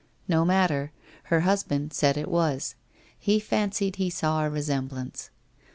No matter, her husband said it was; he fancied he saw a resemblance.